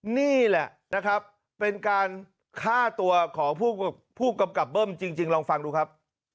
นี่แหละนะครับเป็นการฆ่าตัวของผู้กำกับเบิ้มจริงลองฟังดูครับ